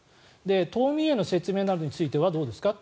島民への説明などについてはどうですかと。